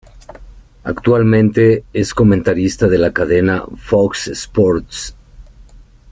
Actualmente es comentarista de la cadena Fox Sports.